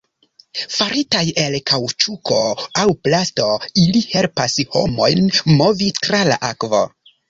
Faritaj el kaŭĉuko aŭ plasto, ili helpas homojn movi tra la akvo.